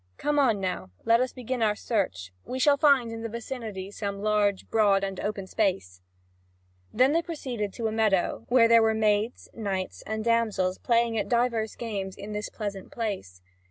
Come on now, let us begin our search: we shall find in the vicinity some large, broad, and open space." Then they proceed to a meadow, where there were maids, knights, and damsels playing at divers games in this pleasant place.